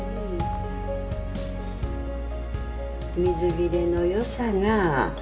水切れの良さが。